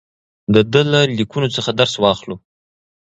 د ده له لیکنو څخه درس واخلو.